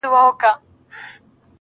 o د کبر کاسه نسکوره ده٫